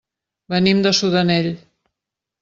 Venim de Sudanell.